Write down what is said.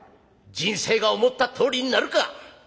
人生が思ったとおりになるか」。